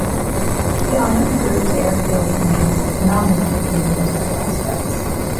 The unimproved airfield remains a phenomenon in military aspects.